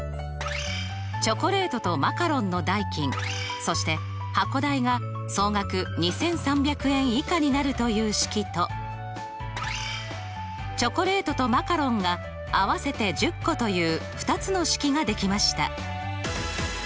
チョコレートとマカロンの代金そして箱代が総額２３００円以下になるという式とチョコレートとマカロンが合わせて１０個という２つの式ができました。